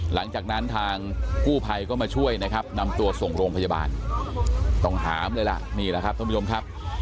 หลังจากนั้นทางกู้ภัยก็มาช่วยนะครับนำตัวส่งโรงพยาบาลต้องหามเลยล่ะนี่แหละครับท่านผู้ชมครับ